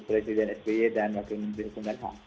presiden spy dan wakil menteri